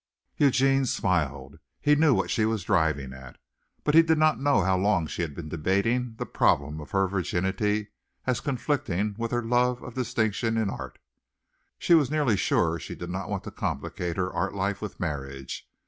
Eugene smiled. He knew what she was driving at. But he did not know how long she had been debating the problem of her virginity as conflicting with her love of distinction in art. She was nearly sure she did not want to complicate her art life with marriage.